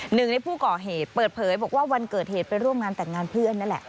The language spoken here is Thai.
หนึ่งในผู้ก่อเหตุเปิดเผยบอกว่าวันเกิดเหตุไปร่วมงานแต่งงานเพื่อนนั่นแหละ